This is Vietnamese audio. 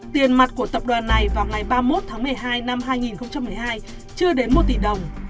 tiền mặt của tập đoàn này vào ngày ba mươi một tháng một mươi hai năm hai nghìn một mươi hai chưa đến một tỷ đồng